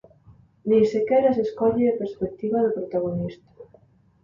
Nin sequera se escolle a perspectiva do protagonista.